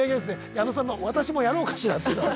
矢野さんの「私もやろうかしら」っていうのは。